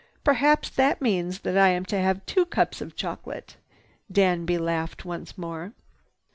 "Perhaps that means that I am to have two cups of chocolate." Danby laughed once more.